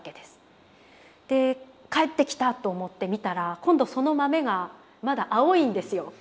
で帰ってきたと思って見たら今度その豆がまだ青いんですよ。